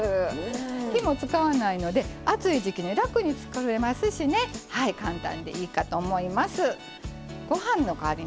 火も使わないので暑い時季に楽に作れますし簡単でいいかと思います。